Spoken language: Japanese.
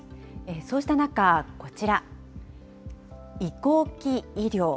そうした中、こちら、移行期医療。